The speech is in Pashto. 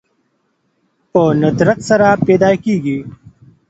په ندرت سره پيدا کېږي